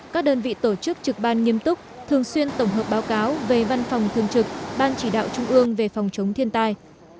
các đơn vị tổ chức trực ban nghiêm túc thường xuyên tổng hợp báo cáo về văn phòng thường trực ban chỉ đạo trung ương về phòng chống thiên tai